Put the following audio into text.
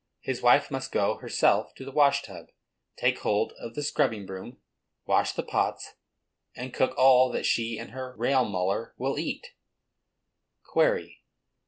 His wife must go, herself, to the wash tub, take hold of the scrubbing broom, wash the pots, and cook all that she and her rail mauler will eat. _Query.